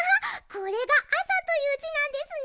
これが「あさ」というじなんですね。